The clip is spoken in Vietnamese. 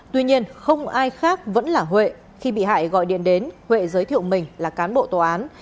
tuy nhiên không ai khác vẫn là huệ khi bị hại gọi điện đến huệ giới thiệu mình là cán bộ tòa án